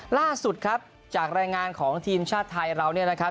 ล่าสุดครับจากรายงานของทีมชาติไทยเราเนี่ยนะครับ